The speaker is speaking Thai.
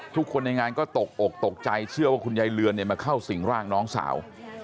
ทุกคนในงานก็ตกอกตกใจเชื่อว่าคุณยายเรือนมาเข้าสิ่งร่างน้องสาว